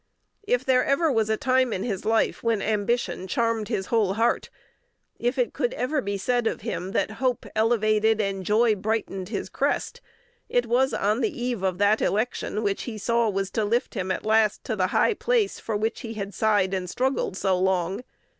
If there ever was a time in his life when ambition charmed his whole heart, if it could ever be said of him that "hope elevated and joy brightened his crest," it was on the eve of that election which he saw was to lift him at last to the high place for which he had sighed and struggled so long.